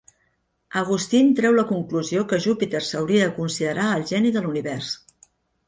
Augustine treu la conclusió que Júpiter s'hauria de considerar el "geni" de l'univers.